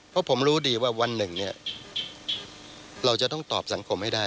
เพราะผมรู้ดีว่าวันหนึ่งเนี่ยเราจะต้องตอบสังคมให้ได้